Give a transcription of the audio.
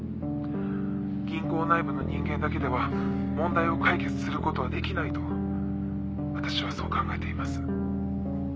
「銀行内部の人間だけでは問題を解決する事は出来ないと私はそう考えています」